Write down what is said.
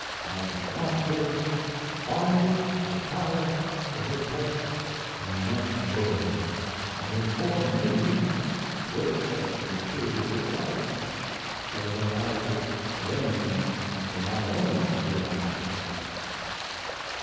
I should want her bonded to retire to her place in the next world & inform me which of the two it was, so that I could arrange for my own hereafter.